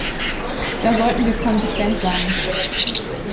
Da sollten wir konsequent sein.